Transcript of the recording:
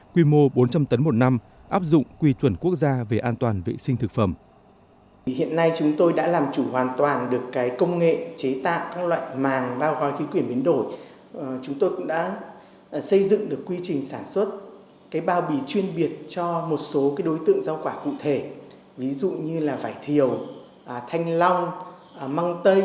quy mô bốn trăm linh tấn một năm áp dụng quy chuẩn quốc gia về an toàn vệ sinh thực phẩm